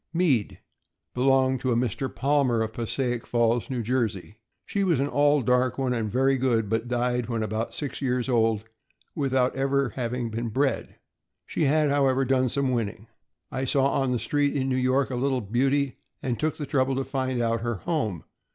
Mede (6075) belonged to a Mr. Palmer, of Passaic Falls, IN". J. She was an all dark one and very good, but died when about six years old without ever being bred. She had, however, done some winning. I saw on the street in New York a little beauty, and took the trouble to find out her home.